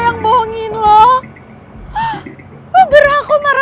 biar dikejar biar dikejar